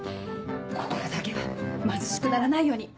心だけは貧しくならないように。